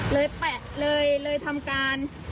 แปะเลยเลยทำการ